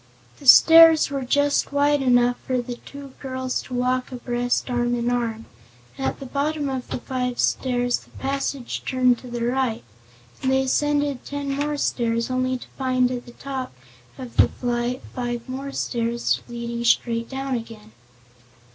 The stairs were just wide enough for the two girls to walk abreast, arm in arm. At the bottom of the five stairs the passage turned to the right, and they ascended ten more stairs, only to find at the top of the flight five stairs leading straight down again.